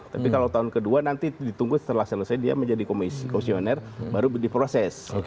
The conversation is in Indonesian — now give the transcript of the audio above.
tapi kalau tahun kedua nanti ditunggu setelah selesai dia menjadi komisioner baru diproses